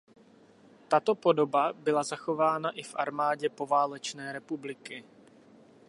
Tato podoba byla zachována i v armádě poválečné republiky.